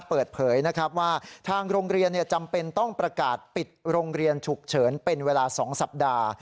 เปิดเผยนะครับว่าทางโรงเรียนจำเป็นต้องประกาศปิดโรงเรียนฉุกเฉินเป็นเวลา๒สัปดาห์